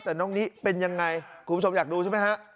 แต่น้องนิเป็นยังไงคุณผู้ชมอยากดูใช่ไหมฮะ